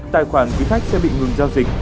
tài khoản quý khách sẽ bị ngừng giao dịch